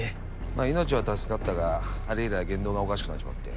まあ命は助かったがあれ以来言動がおかしくなっちまって。